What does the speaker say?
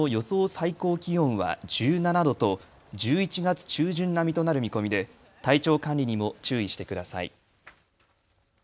最高気温は１７度と１１月中旬並みとなる見込みで体調管理にも注意してください。